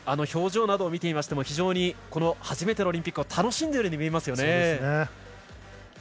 表情などを見ていても初めてのオリンピックを楽しんでいるように見えますよね。